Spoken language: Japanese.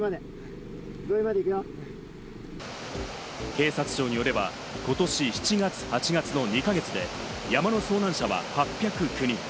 警察庁によれば、ことし７月、８月の２か月で山の遭難者は８０９人。